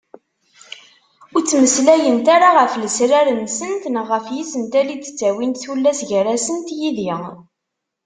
Ur ttmeslayent ara ɣef lesrar-nsent neɣ ɣef yisental i d-ttawint tullas gar-asent yid-i.